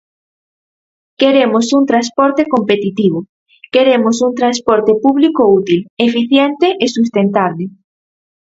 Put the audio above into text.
Queremos un transporte competitivo, queremos un transporte público útil, eficiente e sustentable.